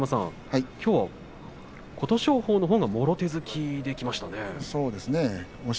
きょうは琴勝峰のほうがもろ手突きでいきましたね。